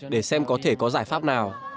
để xem có thể có giải pháp nào